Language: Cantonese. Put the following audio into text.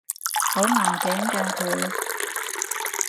好硬頸㗎佢